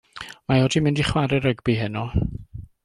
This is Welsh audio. Mae o 'di mynd i chwarae rygbi heno.